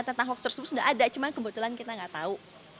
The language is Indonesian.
tentang hoax tersebut sudah ada cuma kebetulan kita nggak tahu